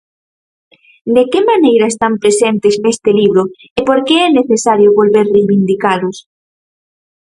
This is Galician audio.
De que maneira están presentes neste libro e por que é necesario volver reivindicalos?